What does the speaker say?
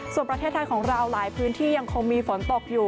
ส่วนประเทศไทยของเราหลายพื้นที่ยังคงมีฝนตกอยู่